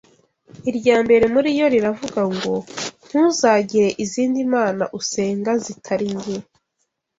Irya mbere muri yo riravuga ngo ‘ntuzagire izindi mana usenga zitari jye